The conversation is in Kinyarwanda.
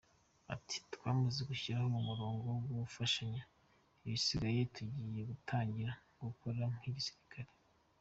Ati “Twamaze gushyiraho umurongo wo gufashanya, igisigaye tugiye gutangira gukora nk’igisirikare.”